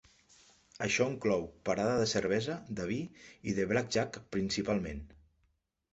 Això inclou parada de cervesa, de vi i de blackjack principalment.